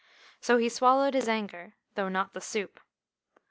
So he swallowed his anger, though not the soup.